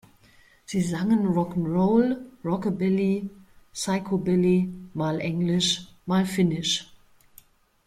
Sie sangen Rock'n' Roll, Rockabilly, Psychobilly, mal englisch, mal finnisch.